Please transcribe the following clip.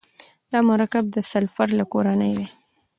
دا مرکب د سلفر له کورنۍ دی.